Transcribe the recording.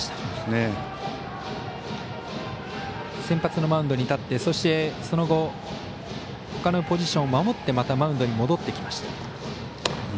先発のマウンドに立ってそして、その後ほかのポジションを守ってまたマウンドに戻ってきました。